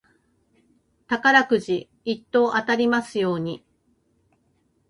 宝くじ一等当たりますように。